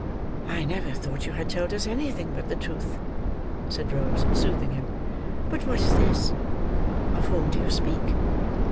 "I never thought you had told us anything but the truth," said Rose, soothing him. "But what is this?—of whom do you speak?"